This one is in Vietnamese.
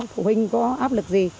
phụ huynh có áp lực gì